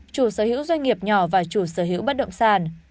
chủ sở hữu doanh nghiệp nhỏ và chủ sở hữu bất động sản